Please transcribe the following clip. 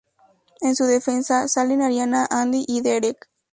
En su defensa, salen Arianna, Andy y Derek.